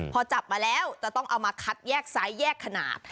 พอจับมาแล้วจะต้องเอามาคัดแยกซ้ายแยกขนาด